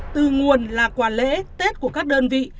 từ nguồn là quà lễ tết của các đơn vị